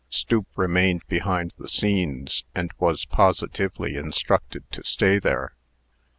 Stoop remained behind the scenes, and was positively instructed to stay there.